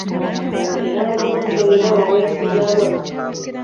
Obeera mugumu nti olina we weesigama.